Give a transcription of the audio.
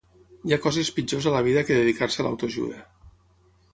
Hi ha coses pitjors a la vida que dedicar-se a l'autoajuda.